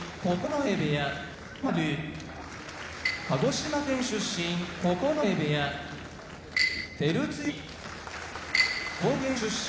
鹿児島県出身九重部屋照強兵庫県出身